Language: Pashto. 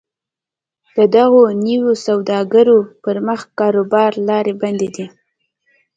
د دغو نویو سوداګرو پر مخ د کاروبار لارې بندې کړي